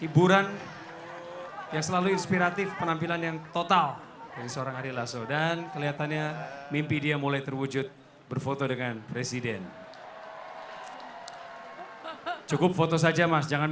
ini turun kemudian berfoto dengan presiden ya mas arya